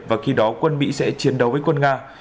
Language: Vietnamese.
và khi đó quân mỹ sẽ chiến đấu với quân nga